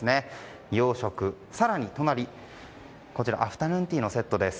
洋食、更に隣アフタヌーンティーのセットです。